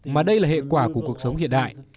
mà đây là hệ quả của cuộc sống hiện đại